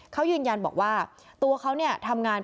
เขายืนยันบอกว่าตัวเขาเนี่ยทำงาน